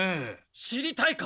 知りたいか？